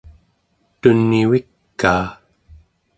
tun'ivikaa